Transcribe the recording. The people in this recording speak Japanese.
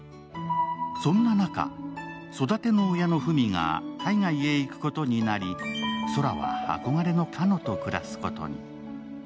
そんな中、育ての親の風海が海外へ行くことになり宙は憧れの花野と暮らすことに。